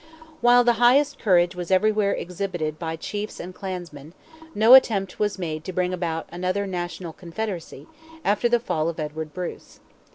While the highest courage was everywhere exhibited by chiefs and clansmen, no attempt was made to bring about another National Confederacy, after the fall of Edward Bruce.